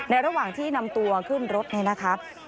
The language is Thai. ระหว่างที่นำตัวขึ้นรถนี่นะคะ